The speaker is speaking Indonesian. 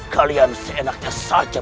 kalian seenaknya saja